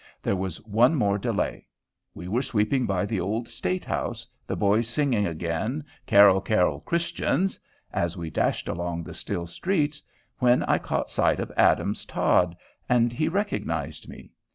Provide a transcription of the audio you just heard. There was one more delay. We were sweeping by the Old State House, the boys singing again, "Carol, carol, Christians," as we dashed along the still streets, when I caught sight of Adams Todd, and he recognized me.